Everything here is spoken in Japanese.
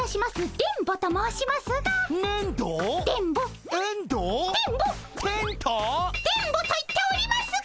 電ボと言っておりますが！